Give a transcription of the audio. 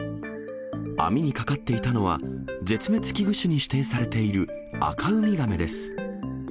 網にかかっていたのは、絶滅危惧種に指定されているアカウミガメです。